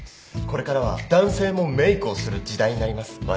これからは男性もメークをする時代になります。